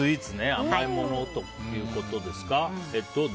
甘いものということですか。